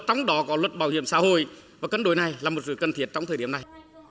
trong đó có luật bảo hiểm xã hội và cân đối này là một sự cần thiệt trong thời điểm này